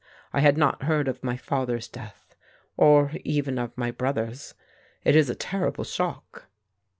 I had not heard of my father's death, or even of my brother's. It is a terrible shock."